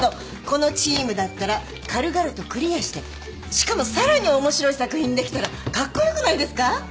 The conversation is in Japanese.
このチームだったら軽々とクリアしてしかもさらに面白い作品にできたらカッコ良くないですか？